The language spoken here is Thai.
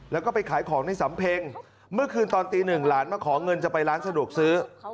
แล้วก็ไปขายของในสำเพ็งเมื่อคืนตอนตีหนึ่งหลานมาขอเงินจะไปร้านสะดวกซื้อ